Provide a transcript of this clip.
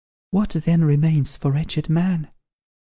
What, then, remains for wretched man?